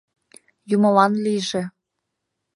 Юмылан лийже...